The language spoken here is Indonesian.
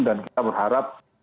dan kita berharap